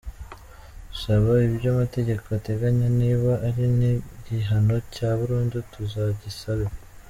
Dusaba ibyo amategeko ateganya niba ari n’igihano cya burundu tuzagisabe.